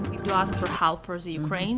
kita meminta bantuan untuk membantu ukraina